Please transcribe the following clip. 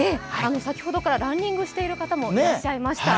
先ほどからランニングしている方もいらっしゃいました。